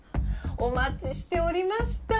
お待ちしておりました。